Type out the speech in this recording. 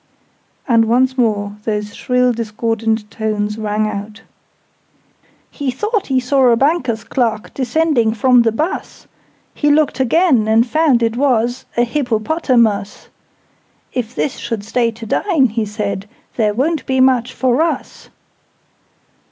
And once more those shrill discordant tones rang out: "He thought he saw a Banker's Clerk Descending from the bus: He looked again, and found it was A Hippopotamus: 'If this should stay to dine,' he said, 'There won't be mutch for us!'"